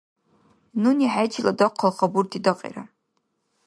Нуни хӀечила дахъал хабурти дакьира.